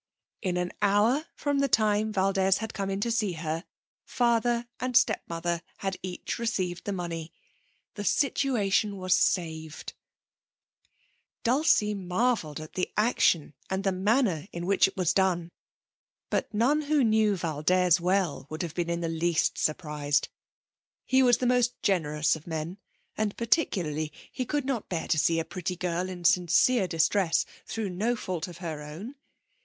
In an hour from the time Valdez had come in to see her, father and stepmother had each received the money. The situation was saved. Dulcie marvelled at the action and the manner in which it was done. But none who knew Valdez well would have been in the least surprised. He was the most generous of men, and particularly he could not bear to see a pretty girl in sincere distress through no fault of her own.